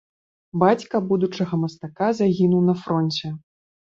Бацька будучага мастака загінуў на фронце.